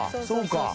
そうか。